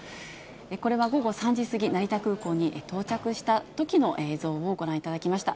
これは午後３時過ぎ、成田空港に到着したときの映像をご覧いただきました。